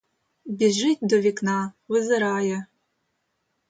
Біжить до вікна, визирає.